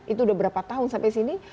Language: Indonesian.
itu udah berapa tahun sampai sini